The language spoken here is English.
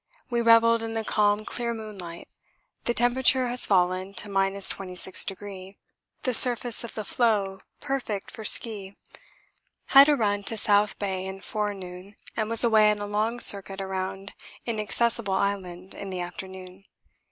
We revelled in the calm clear moonlight; the temperature has fallen to 26°. The surface of the floe perfect for ski had a run to South Bay in forenoon and was away on a long circuit around Inaccessible Island in the afternoon.